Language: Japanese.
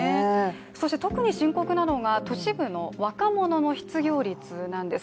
そして特に深刻なのが都市部の若者の失業率なんです。